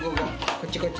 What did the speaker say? こっちこっち。